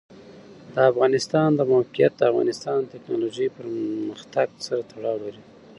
د افغانستان د موقعیت د افغانستان د تکنالوژۍ پرمختګ سره تړاو لري.